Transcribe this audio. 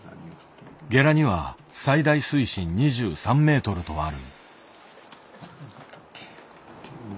ゲラには最大水深２３メートルとある。